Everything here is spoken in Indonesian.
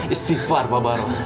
istighfar pak barahun